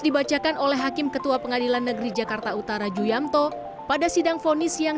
dibacakan oleh hakim ketua pengadilan negeri jakarta utara ju yamto pada sidang ponis yang